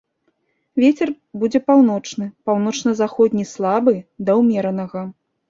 Вецер будзе паўночны, паўночна-заходні слабы да ўмеранага.